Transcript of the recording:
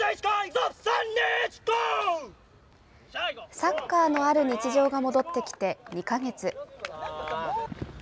サッカーのある日常が戻ってきて２か月。